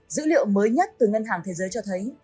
dữ liệu mới nhất từ ngân hàng thế giới cho thấy